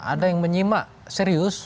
ada yang menyimak serius